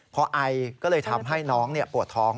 พอไอก็เลยทำให้น้องปวดท้อง